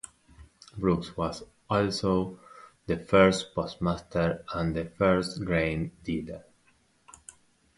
Brooks was also the first postmaster and the first grain dealer.